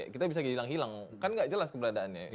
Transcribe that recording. kita bisa hilang hilang kan nggak jelas keberadaannya